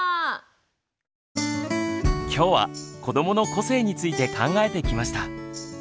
きょうは「子どもの個性」について考えてきました。